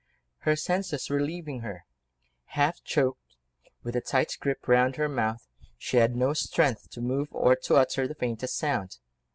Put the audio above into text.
Her senses were leaving her; half choked with the tight grip round her mouth, she had no strength to move or to utter the faintest sound.